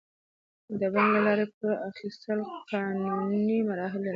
د بانک له لارې پور اخیستل قانوني مراحل لري.